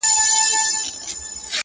لا تر څو به دا سړې دا اوږدې شپې وي-